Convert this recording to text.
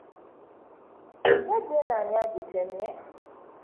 Empagi eno ani agitemye?